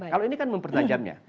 kalau ini kan mempertajamnya